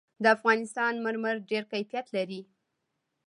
د افغانستان مرمر ډېر کیفیت لري.